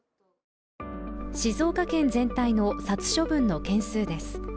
静岡県全体の殺処分の件数です